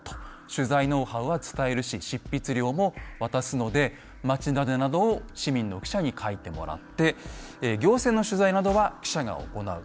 取材ノウハウは伝えるし執筆料も渡すので街ダネなどを市民の記者に書いてもらって行政の取材などは記者が行う。